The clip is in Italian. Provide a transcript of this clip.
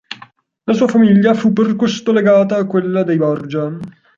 La sua famiglia fu per questo legata a quella dei Borgia.